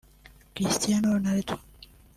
Cristiano Ronaldo